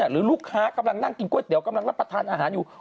หรือลูกค้ากำลังนั่งกินก๋วยเตี๋ยวกำลังรับประทานอาหารอยู่